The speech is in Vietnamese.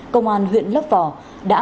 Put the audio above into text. công an huyện lấp vỏ đã